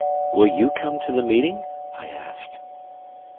"Will you come to the meeting?" I asked.